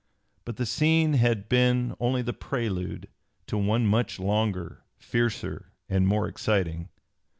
But the scene had been only the prelude to one much longer, fiercer, and more exciting.